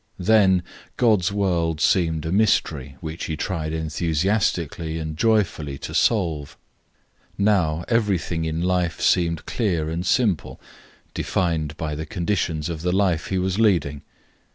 Then God's world seemed a mystery which he tried enthusiastically and joyfully to solve; now everything in life seemed clear and simple, defined by the conditions of the life he was leading.